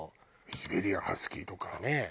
シベリアン・ハスキーとか？とかね！